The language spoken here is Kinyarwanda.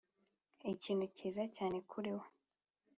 ’ikintu kiza cyane kuri we.